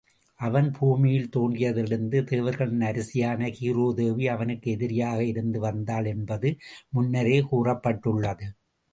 அவன், பூமியில் தோன்றியதிலிருந்தே தேவர்களின் அரசியான ஹீரா தேவி அவனுக்கு எதிரியாக இருந்து வந்தாள் என்பது முன்னரே கூறப்பட்டுள்ளது.